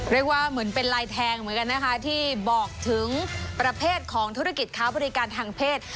เหมือนเป็นลายแทงเหมือนกันนะคะที่บอกถึงประเภทของธุรกิจค้าบริการทางเพศ